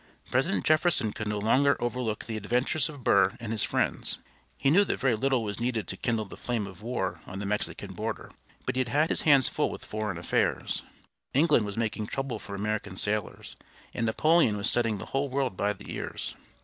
President Jefferson could no longer overlook the adventures of Burr and his friends. He knew that very little was needed to kindle the flame of war on the Mexican border. But he had his hands full with foreign affairs; England was making trouble for American sailors, and Napoleon was setting the whole world by the ears.